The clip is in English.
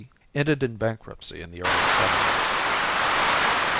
ended in bankruptcy in the early seventies.